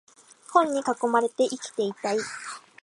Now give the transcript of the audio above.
本に囲まれて生きていたい